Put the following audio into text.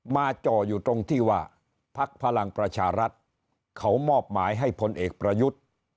จ่ออยู่ตรงที่ว่าพักพลังประชารัฐเขามอบหมายให้พลเอกประยุทธ์